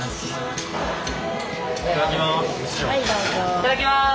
いただきます！